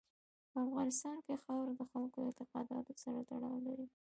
په افغانستان کې خاوره د خلکو اعتقاداتو سره تړاو لري.